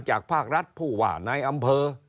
ภาครัฐผู้ว่าในอำเภอ